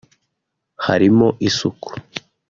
harimo isuku